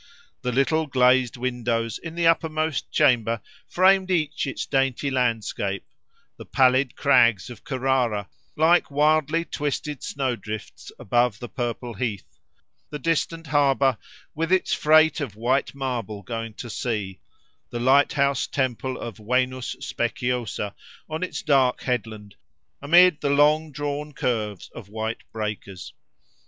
The little glazed windows in the uppermost chamber framed each its dainty landscape—the pallid crags of Carrara, like wildly twisted snow drifts above the purple heath; the distant harbour with its freight of white marble going to sea; the lighthouse temple of Venus Speciosa on its dark headland, amid the long drawn curves of white breakers.